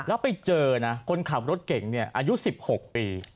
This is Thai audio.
ก็ไปเจอนะคนขับรถเก่งเนี่ยอายุสิบหกปี